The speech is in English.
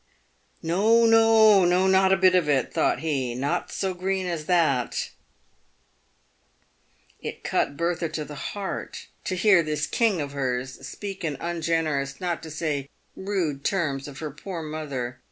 " No, no, not a bit of it," "thought he; " not so green as that." It cut Bertha to the heart to hear this king of hers speak in un generous, not to say rude, terms of her poor mother.